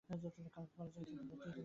কলেজে তো ঢুকতেই দিলো না।